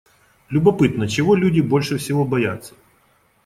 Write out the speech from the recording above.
Любопытно, чего люди больше всего боятся?